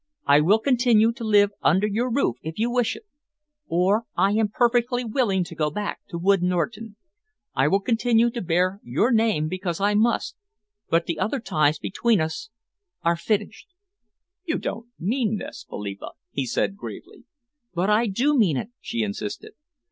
I will continue to live under your roof if you wish it, or I am perfectly willing to go back to Wood Norton. I will continue to bear your name because I must, but the other ties between us are finished." "You don't mean this, Philippa," he said gravely. "But I do mean it," she insisted.